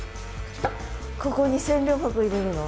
ここに千両箱入れるの？